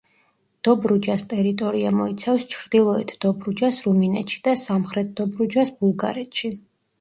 დობრუჯას ტერიტორია მოიცავს ჩრდილოეთ დობრუჯას რუმინეთში და სამხრეთ დობრუჯას ბულგარეთში.